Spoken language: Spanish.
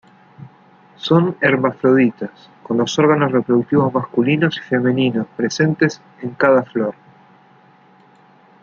Son hermafroditas, con los órganos reproductivos masculinos y femeninos presentes en cada flor.